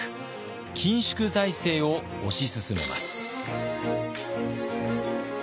緊縮財政を推し進めます。